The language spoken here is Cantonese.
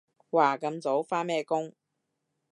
哇咁早？返咩工？